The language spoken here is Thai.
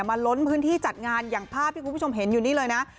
ล้นพื้นที่จัดงานอย่างภาพที่คุณผู้ชมเห็นอยู่นี่เลยนะ